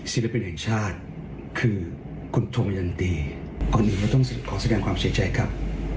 ศิลปินแห่งชาติคือคุณธงยันตีอันนี้เราต้องเสร็จขอแสดงความเช็ดใจครับ